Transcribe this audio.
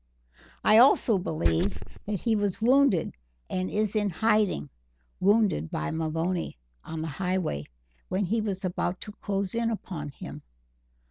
I also believe that he was wounded and is in hiding wounded by Maloney, on the Highway, when he was about to close in upon him."